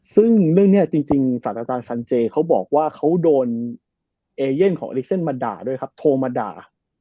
ซึ่งเรื่องนี้จริงสันเจเขาบอกว่าเค้าโดนเอเย่นของเอลิเซนมาด่าด้วยครับโทรมาด่า